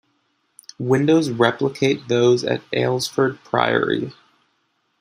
Windows replicate those at Aylesford Priory.